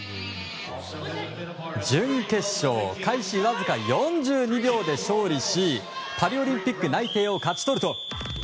準決勝開始わずか４２秒で勝利しパリオリンピック内定を勝ち取ると。